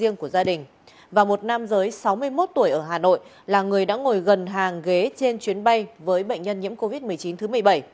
người đã ngồi gần hàng ghế trên chuyến bay với bệnh nhân nhiễm covid một mươi chín thứ một mươi bảy